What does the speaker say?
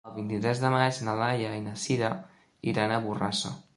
El vint-i-tres de maig na Laia i na Sira iran a Borrassà.